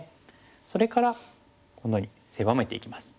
それからこのように狭めていきます。